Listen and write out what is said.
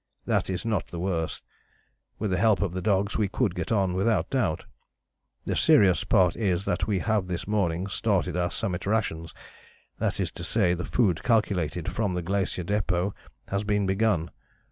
That is not the worst; with the help of the dogs we could get on, without doubt. The serious part is that we have this morning started our Summit rations that is to say, the food calculated from the Glacier Depôt has been begun.